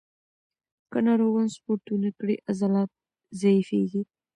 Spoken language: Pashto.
که ناروغان سپورت ونه کړي، عضلات ضعیفېږي.